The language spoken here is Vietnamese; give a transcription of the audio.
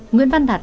nguyễn văn đạt